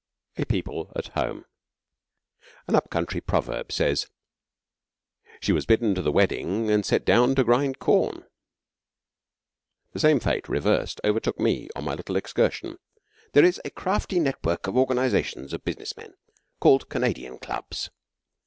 A PEOPLE AT HOME An up country proverb says, 'She was bidden to the wedding and set down to grind corn.' The same fate, reversed, overtook me on my little excursion. There is a crafty network of organisations of business men called Canadian Clubs.